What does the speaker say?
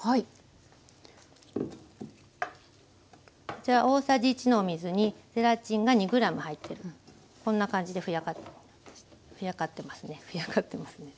こちら大さじ１の水にゼラチンが２ｇ入ってるこんな感じでふやかしふやかってますねふやかってますね。